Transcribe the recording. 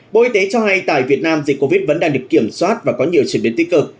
bộ y tế cho hay tại việt nam dịch covid vẫn đang được kiểm soát và có nhiều chuyển biến tích cực